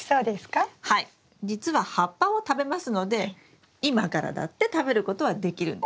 じつは葉っぱを食べますので今からだって食べることはできるんです。